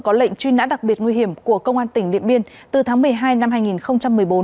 có lệnh truy nã đặc biệt nguy hiểm của công an tỉnh điện biên từ tháng một mươi hai năm hai nghìn một mươi bốn